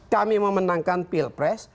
kami memenangkan pilpres